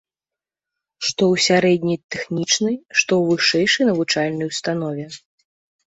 Што ў сярэдняй тэхнічнай, што ў вышэйшай навучальнай установе.